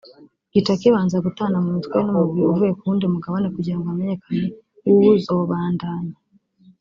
gica kibanza gutana mu mitwe n’umugwi uvuye ku wundi mu gabane kugira hamenyekane uwuzobandanya